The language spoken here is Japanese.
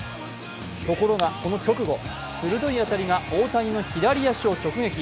ところがこの直後、鋭い当たりが大谷の左足を直撃。